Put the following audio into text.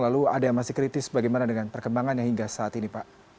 lalu ada yang masih kritis bagaimana dengan perkembangannya hingga saat ini pak